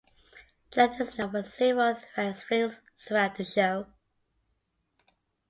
Jack is known for his several various flings throughout the show.